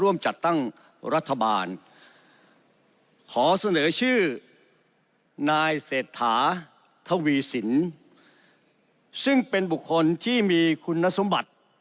ร่วมจัดตั้งรัฐบาลขอเสนอชื่อนายเศรษฐาทวีสินซึ่งเป็นบุคคลที่มีคุณสมบัติ